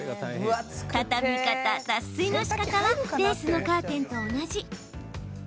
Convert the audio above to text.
畳み方、脱水のしかたはレースのカーテンと同じ。